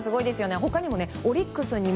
他にもオリックスにも